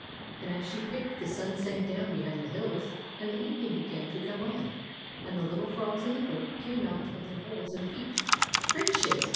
And as she picked, the sun sank down behind the hills, and the evening began to come on, and the little frogs in the brook came out of their holes and peeped. " Gracious